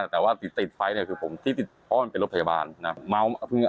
แต่ว่าติดไฟเนี่ยคือผมที่ติดเพราะมันเป็นรถพยาบาลนะ